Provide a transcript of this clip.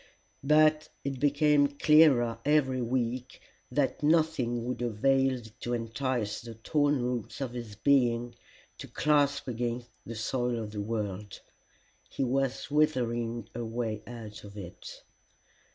But it became clearer every week that nothing would avail to entice the torn roots of his being to clasp again the soil of the world: he was withering away out of it.